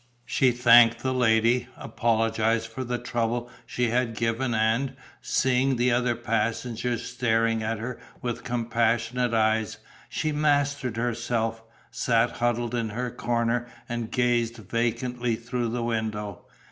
She thanked the lady, apologized for the trouble she had given and, seeing the other passengers staring at her with compassionate eyes, she mastered herself, sat huddled in her corner and gazed vacantly through the window.